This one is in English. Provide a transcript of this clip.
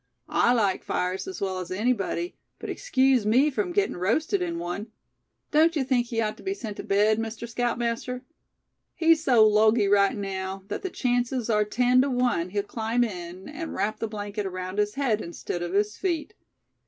"I like fires as well as anybody, but excuse me from getting roasted in one. Don't you think he ought to be sent to bed, Mr. Scoutmaster? He's so logy right now, that the chances are ten to one he'll climb in, and wrap the blanket around his head instead of his feet.